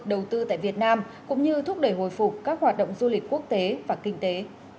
đầu tư tại việt nam cũng như thúc đẩy hồi phục các hoạt động du lịch quốc tế và kinh tế